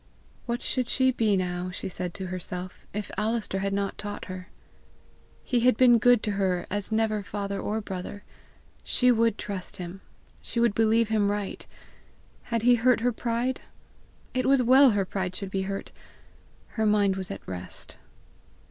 What should she be now, she said to herself, if Alister had not taught her? He had been good to her as never father or brother! She would trust him! She would believe him right! Had he hurt her pride? It was well her pride should be hurt! Her mind was at rest.